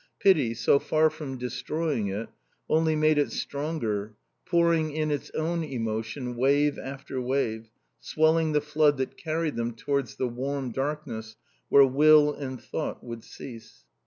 Pity, so far from destroying it, only made it stronger, pouring in its own emotion, wave after wave, swelling the flood that carried them towards the warm darkness where will and thought would cease.